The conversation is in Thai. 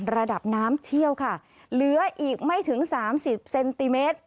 ระดับน้ำเชี่ยวค่ะเหลืออีกไม่ถึงสามสิบเซนติเมตร